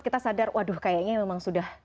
kita sadar waduh kayaknya memang sudah